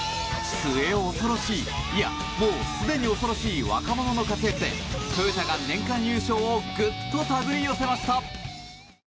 末恐ろしい、いやもうすでに恐ろしい若者の活躍でトヨタが年間優勝をぐっと手繰り寄せました。